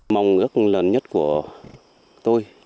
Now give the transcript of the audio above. mong ước lớn nhất của tôi